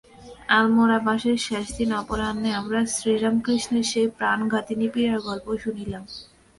আলমোড়া-বাসের শেষদিন অপরাহ্নে আমরা শ্রীরামকৃষ্ণের সেই প্রাণঘাতিনী পীড়ার গল্প শুনিলাম।